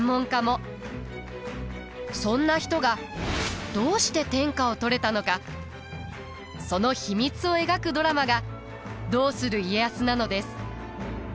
そんな人がどうして天下を取れたのかその秘密を描くドラマが「どうする家康」なのです。